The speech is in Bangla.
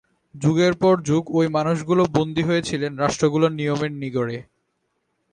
যুগের পর যুগ ওই মানুষগুলো বন্দী হয়ে ছিলেন রাষ্ট্রগুলোর নিয়মের নিগড়ে।